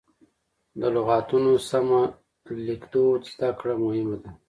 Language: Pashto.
د لغتونو سمه لیکدود زده کړه مهمه ده.